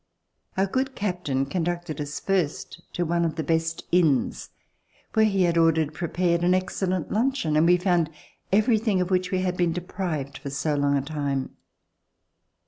Our good captain conducted us first to one of the best inns, where he had ordered prepared an excellent luncheon, and we found everything of which we had been deprived for so long a time.